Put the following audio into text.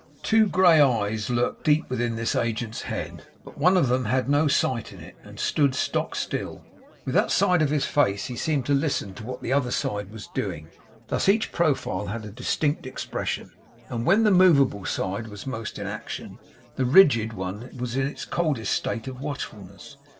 Two grey eyes lurked deep within this agent's head, but one of them had no sight in it, and stood stock still. With that side of his face he seemed to listen to what the other side was doing. Thus each profile had a distinct expression; and when the movable side was most in action, the rigid one was in its coldest state of watchfulness.